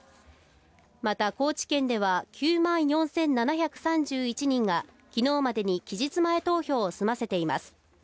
また、高知県では９万４７３１人が昨日までに期日前投票を済ませています。